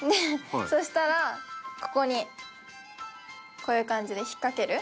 そしたらここにこういう感じで引っかける。